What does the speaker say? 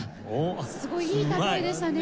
すごいいい例えでしたね。